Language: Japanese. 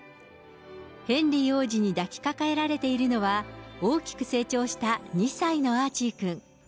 ヘンリー王子に抱きかかえられているのは、大きく成長した２歳のアーチーくん。